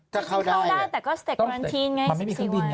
ถ้าเข้าได้มันไม่มีเครื่องบิน